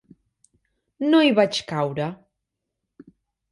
No hi vaig caure.